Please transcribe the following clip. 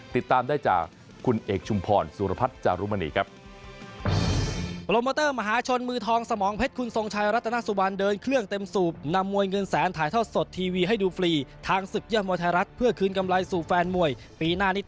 ติดตามได้จากคุณเอกชุมพรสุรพัฒน์จารุมณีครับ